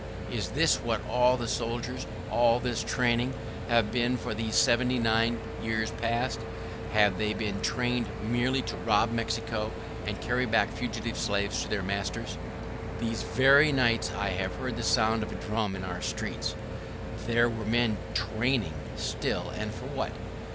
Is this what all these soldiers, all this training, have been for these seventy nine years past? Have they been trained merely to rob Mexico and carry back fugitive slaves to their masters? [¶10] These very nights I heard the sound of a drum in our streets. There were men training still; and for what?